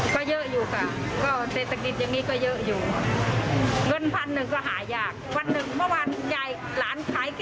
ก็เยอะอยู่ค่ะเศรษฐกิจอย่างนี้ก็เยอะอยู่